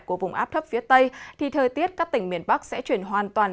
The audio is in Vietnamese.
của vùng áp thấp phía tây thì thời tiết các tỉnh miền bắc sẽ chuyển hoàn toàn